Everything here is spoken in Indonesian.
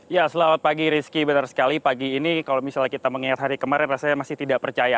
ya selamat pagi rizky benar sekali pagi ini kalau misalnya kita mengingat hari kemarin rasanya masih tidak percaya